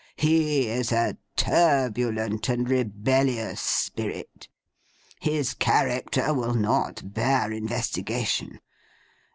He is a turbulent and rebellious spirit. His character will not bear investigation.